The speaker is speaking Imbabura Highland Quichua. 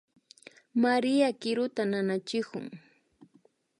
María kiruta nanachikun